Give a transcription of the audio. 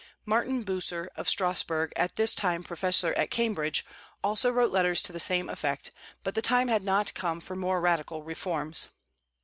Martin Bucer of Strasburg, at this time professor at Cambridge, also wrote letters to the same effect; but the time had not come for more radical reforms.